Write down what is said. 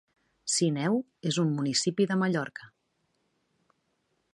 Sineu és un municipi de Mallorca.